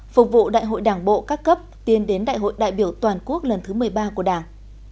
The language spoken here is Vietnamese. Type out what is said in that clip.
phục vụ đại hội đảng bộ các cấp tiến đến đại hội đại biểu toàn quốc lần thứ một mươi ba của đảng